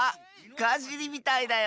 ガジリみたいだよ。